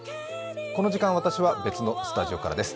この時間、私は別のスタジオからです。